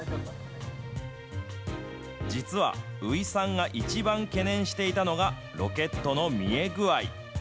実は、宇井さんが一番懸念していたのが、ロケットの見え具合。